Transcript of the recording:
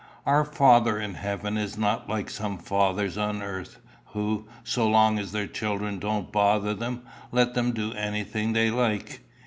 "Our Father in heaven is not like some fathers on earth, who, so long as their children don't bother them, let them do anything they like.